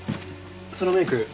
そのメイク